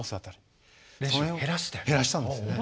減らしたんですね。